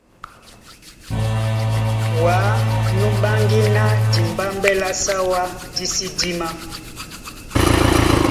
Wǎ nú ɓáŋgí ná dimbámbɛ́ lá Sáwá dí sí dímá.